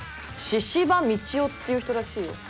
「神々道夫」っていう人らしいよ。